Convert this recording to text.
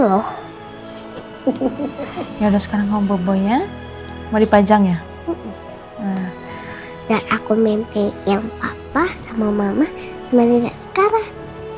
loh udah sekarang obo ya mau dipajang ya aku mimpi yang papa sama mama melihat sekarang